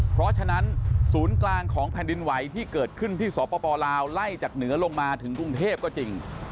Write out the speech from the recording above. เพราะฉะนั้นศูนย์กลางของแผ่นดินไหวที่เกิดขึ้นที่สปลาวไล่จากเหนือลงมาถึงกรุงเทพก็จริง